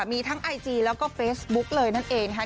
มีทั้งไอจีแล้วก็เฟซบุ๊กเลยนั่นเองนะคะ